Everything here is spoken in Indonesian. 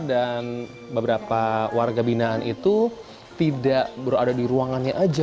dan beberapa warga binaan itu tidak berada di ruangannya saja